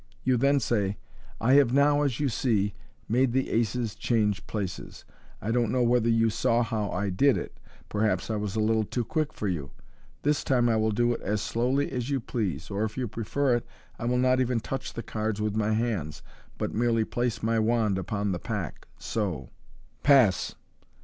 You then say, " I have now, as you see, made the aces change places. 1 *f MODERN MAGIC don't know whether you saw how I did it. Perhaps I was a little too quick for you. This time I will do it as slowly as you please, or, if you prefer it, I will not even touch the cards with my hands, but merely place my wand upon the pack, so. Pass